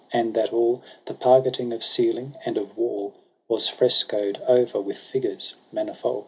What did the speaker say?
and that all The pargeting of ceiling and of waU Was fresco'd o'er with figures manifold.